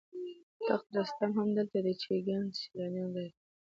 تخت رستم هم دلته دی چې ګڼ سیلانیان راځي.